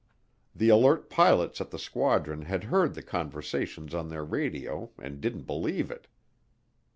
The alert pilots at the squadron had heard the conversations on their radio and didn't believe it.